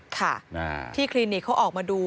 ค่ะที่คลินิกเขาออกมาดู